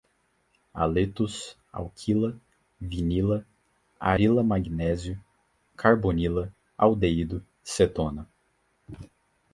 haletos, alquila, vinila, arila-magnésio, carbonila, aldeído, cetona